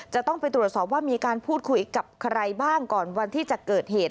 จะต้องไปตรวจสอบว่ามีการพูดคุยกับใครบ้างก่อนวันที่จะเกิดเหตุ